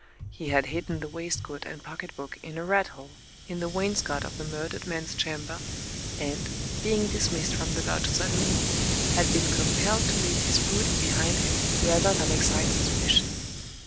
He had hidden the waistcoat and pocket book in a rat hole in the wainscot of the Page 198 murdered man's chamber, and, being dismissed from the lodge suddenly, had been compelled to leave his booty behind him rather than excite suspicion.